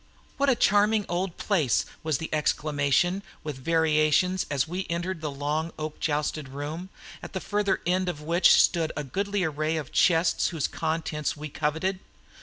"What a charming old place," was the exclamation with variations as we entered the long oak joisted room, at the further end of which stood in goodly array the chests whose contents we coveted.